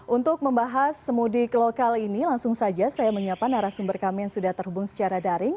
untuk membahas semudik lokal ini langsung saja saya menyapa narasumber kami yang sudah terhubung secara daring